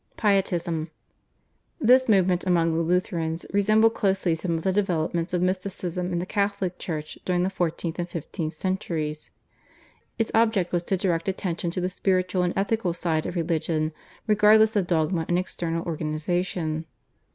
/Pietism/. This movement among the Lutherans resembled closely some of the developments of Mysticism in the Catholic Church during the fourteenth and fifteenth centuries. Its object was to direct attention to the spiritual and ethical side of religion regardless of dogma and external organisation.